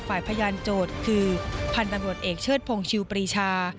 พยานโจทย์คือพันธุ์ตำรวจเอกเชิดพงศ์ชิวปรีชา